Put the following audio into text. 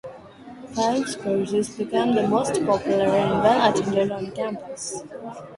Phelps' courses became the most popular and well attended on campus.